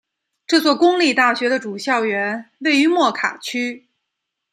这所公立大学的主校园位于莫卡区。